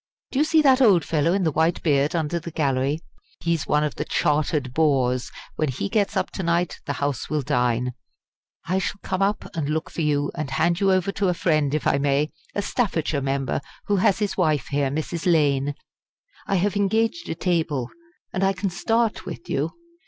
Do you see that old fellow in the white beard under the gallery? He is one of the chartered bores. When he gets up to night the House will dine. I shall come up and look for you, and hand you over to a friend if I may a Staffordshire member, who has his wife here Mrs. Lane. I have engaged a table, and I can start with you.